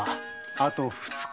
あと二日。